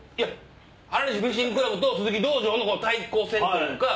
原西フィッシングクラブと鈴木道場の対抗戦というか。